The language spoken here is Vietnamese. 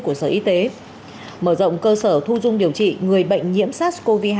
của sở y tế mở rộng cơ sở thu dung điều trị người bệnh nhiễm sars cov hai